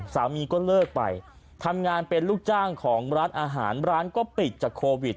สามีก็เลิกไปทำงานเป็นลูกจ้างของร้านอาหารร้านก็ปิดจากโควิด